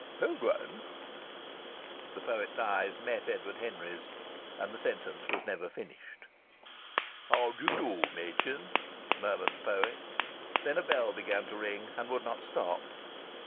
Pilgrim " The poet's eyes met Edward Henry's, and the sentence was never finished. "How d'ye do, Machin?" murmured the poet. Then a bell began to ring and would not stop.